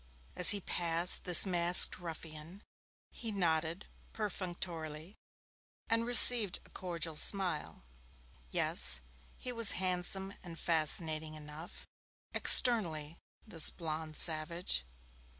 As he passed this masked ruffian, he nodded perfunctorily and received a cordial smile. Yes, he was handsome and fascinating enough externally, this blonde savage.